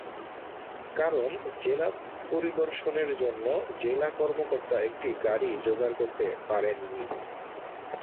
কারণ জেলা পরিদর্শনের জন্য জেলা কর্মকর্তা একটি গাড়ি যোগাড় করতে পারেন নি।